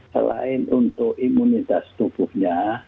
selain untuk imunitas tubuhnya